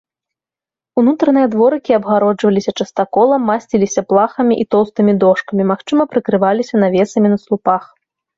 Унутраныя дворыкі абгароджваліся частаколам, масціліся плахамі і тоўстымі дошкамі, магчыма, прыкрываліся навесамі на слупах.